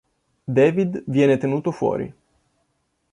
David viene tenuto fuori.